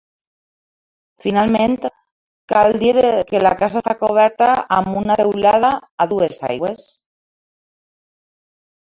Finalment, cal dir que la casa està coberta amb una teulada a dues aigües.